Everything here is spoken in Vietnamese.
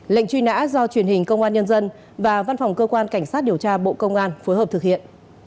lệnh truy nã do truyền hình công an nhân dân và văn phòng cơ quan cảnh sát điều tra bộ công an phối hợp thực hiện